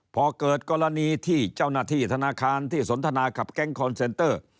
พอเกิดกรณีที่เจ้าหน้าที่ธนาคารที่สนทนากับแก๊งคอนเซนเตอร์